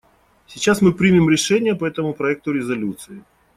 Сейчас мы примем решение по этому проекту резолюции.